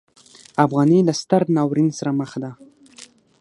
افغانۍ له ستر ناورین سره مخ ده.